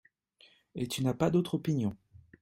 Et tu n’as pas d’autre opinion ?